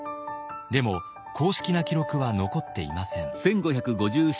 でも公式な記録は残っていません。